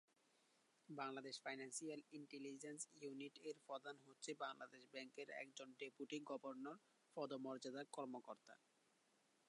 Bangladesh financial intelligence unit এর প্রধান হচ্ছে বাংলাদেশ ব্যাংকের একজন ডেপুটি গভর্নর পদমর্যাদার কর্মকর্তা।